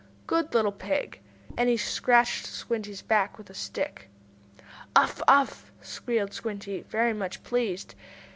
"Good little pig!" and he scratched Squinty's back with a stick. "Uff! Uff!" squealed Squinty, very much pleased.